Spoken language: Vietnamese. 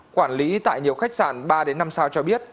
quản lý tại nhiều khách sạn ba năm sao cho biết